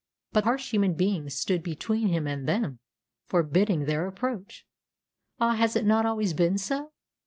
But harsh human beings stood between him and them, forbidding their approach. Ah, has it not always been so?